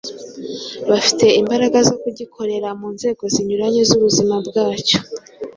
bafite imbaraga zo kugikorera mu nzego zinyuranye z’ubuzima bwacyo,